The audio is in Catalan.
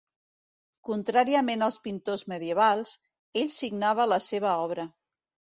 Contràriament als pintors medievals, ell signava la seva obra.